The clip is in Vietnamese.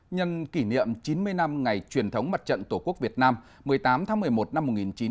nhân kỷ niệm chín mươi năm ngày truyền thống mặt trận tổ quốc việt nam một mươi tám tháng một mươi một năm một nghìn chín trăm bốn mươi